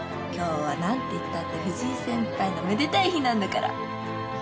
今日は何ていったって藤井先輩のめでたい日なんだから。